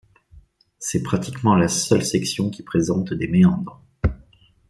C'est pratiquement la seule section qui présente des méandres.